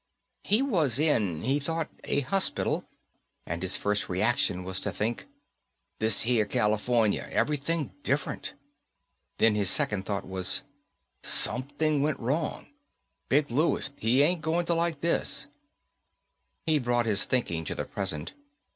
He was in, he thought, a hospital and his first reaction was to think, This here California. Everything different. Then his second thought was Something went wrong. Big Louis, he ain't going to like this. He brought his thinking to the present.